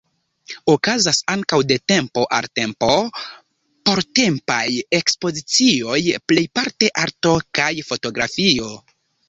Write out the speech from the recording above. Okazas ankaŭ de tempo al tempo portempaj ekspozicioj, plejparte arto kaj fotografio.